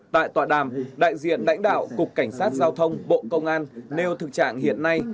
tại tọa đàm đại diện lãnh đạo cục cảnh sát giao thông bộ công an nêu thực trạng hiện nay